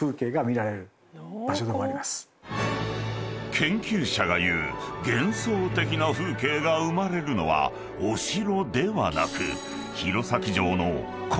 ［研究者が言う幻想的な風景が生まれるのはお城ではなく］